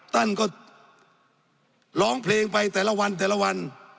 ท่านก็ร้องเพลงไปแต่ละวันแต่ละวัน